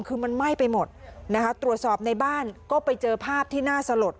คือมันไหม้ไปหมดนะคะตรวจสอบในบ้านก็ไปเจอภาพที่น่าสลด